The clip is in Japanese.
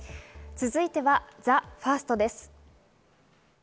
続いてはＴＨＥＦｉｒｓｔです。